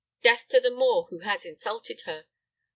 Death to the Moor who has insulted her!